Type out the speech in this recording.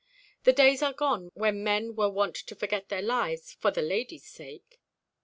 The days are gone when men were wont to forget their lives for the ladies' sake."